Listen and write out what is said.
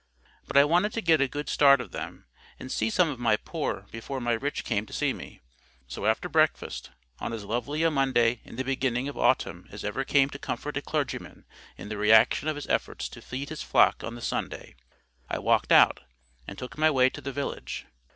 But I wanted to get a good start of them, and see some of my poor before my rich came to see me. So after breakfast, on as lovely a Monday in the beginning of autumn as ever came to comfort a clergyman in the reaction of his efforts to feed his flock on the Sunday, I walked out, and took my way to the village.